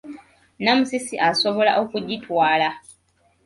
Namusisi asobola okugitwala.